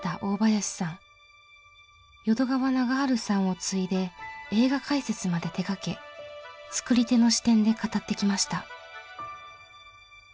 淀川長治さんを継いで映画解説まで手がけ作り手の視点で語ってきました。